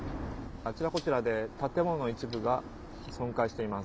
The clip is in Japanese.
あちらこちらで建物の一部が損壊しています。